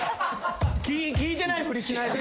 聞いてないふりしないと。